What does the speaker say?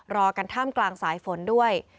รอกันท่ามกลางสายฝนด้วย